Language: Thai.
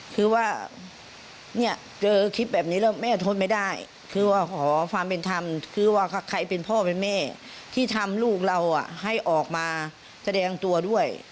คือว่าใครเป็นพ่อเป็นแม่ที่ทำลูกเราให้ออกมาแสดงตัวด้วย